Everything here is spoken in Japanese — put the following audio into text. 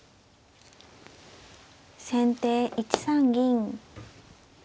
先手１三銀。